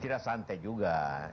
tidak santai juga